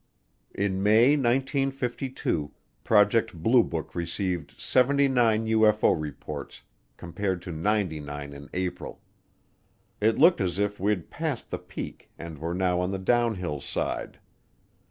In May 1952, Project Blue Book received seventy nine UFO reports compared to ninety nine in April. It looked as if we'd passed the peak and were now on the downhill side.